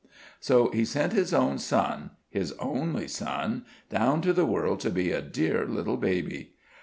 "So He sent His own Son his only Son down to the world to be a dear little baby."